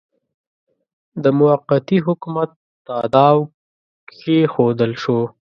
د موقتي حکومت تاداو کښېښودل شو.